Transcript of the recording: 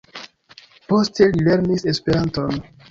Poste li lernis Esperanton.